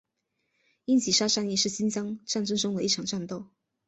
英吉沙战役是新疆战争中的一场战斗。